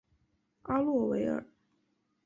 阿洛维尔。